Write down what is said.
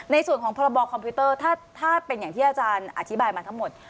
ในส่วนของพรบคอมพิวเตอร์ถ้าเป็นอย่างที่อาจารย์อธิบายมาทั้งหมด